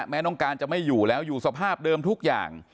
น้องการจะไม่อยู่แล้วอยู่สภาพเดิมทุกอย่าง